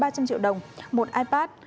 ba trăm linh triệu đồng một ipad